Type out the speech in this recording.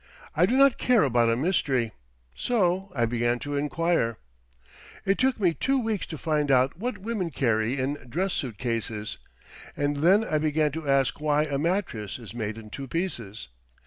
I do not care about a mystery. So I began to inquire. It took me two weeks to find out what women carry in dress suit cases. And then I began to ask why a mattress is made in two pieces.